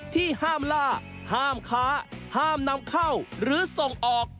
ที่ห้ามล่าห้ามค้าห้ามนำเข้าหรือส่งออก